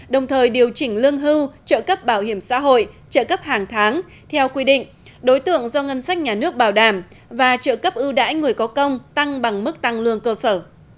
đồng thời điều chỉnh lương hưu trợ cấp bảo hiểm xã hội trợ cấp hàng tháng theo quy định đối tượng do ngân sách nhà nước bảo đảm và trợ cấp ưu đãi người có công tăng bằng mức tăng lương cơ sở